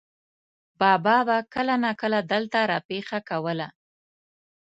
بابا به کله ناکله دلته را پېښه کوله.